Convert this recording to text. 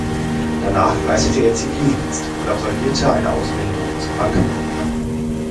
Danach leistete er Zivildienst und absolvierte eine Ausbildung zum Bankkaufmann.